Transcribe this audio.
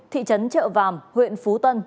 thị trấn trợ vàm huyện phú tân